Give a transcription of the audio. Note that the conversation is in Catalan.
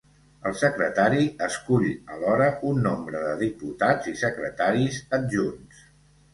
El secretari escull alhora un nombre de diputats i secretaris adjunts.